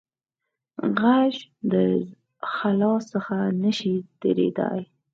غږ د خلا څخه نه شي تېرېدای.